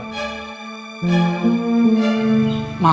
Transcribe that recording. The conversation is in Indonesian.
makhluk itu larinya ke arah sini pak aduh berat sebenernya ninggalin ya